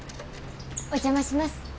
お邪魔します。